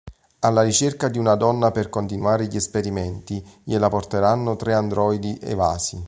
Alla ricerca di una donna per continuare gli esperimenti, gliela porteranno tre androidi evasi.